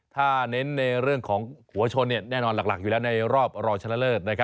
ถ้าเน้นในเรื่องของหัวชนแน่นอนหลักอยู่แล้วในรอบรองชนะเลิศ